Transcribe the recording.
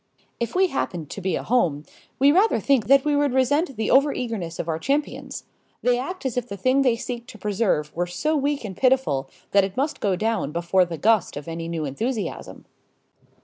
If we happened to be a home, we rather think that we would resent the overeagerness of our champions. They act as if the thing they seek to preserve were so weak and pitiful that it must go down before the gust of any new enthusiasm.